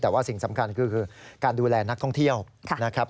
แต่ว่าสิ่งสำคัญคือการดูแลนักท่องเที่ยวนะครับ